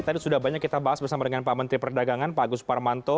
tadi sudah banyak kita bahas bersama dengan pak menteri perdagangan pak agus parmanto